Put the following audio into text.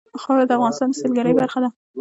خاوره د افغانستان د سیلګرۍ برخه ده.